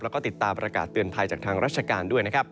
แล้วก็ติดตามประกาศเตือนภัยจากทางราชการด้วยนะครับ